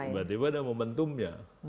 tiba tiba ada momentumnya